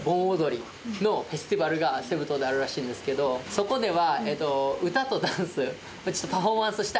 そこでは。